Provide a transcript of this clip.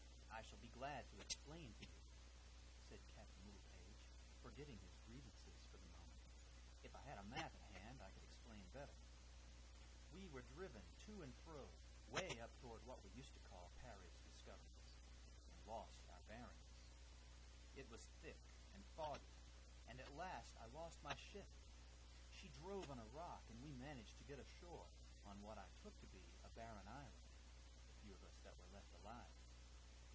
"I shall be glad to explain to you," said Captain Littlepage, forgetting his grievances for the moment. "If I had a map at hand I could explain better. We were driven to and fro 'way up toward what we used to call Parry's Discoveries, and lost our bearings. It was thick and foggy, and at last I lost my ship; she drove on a rock, and we managed to get ashore on what I took to be a barren island, the few of us that were left alive.